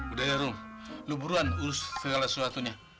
udah ya ruh lu buruan urus segala suatunya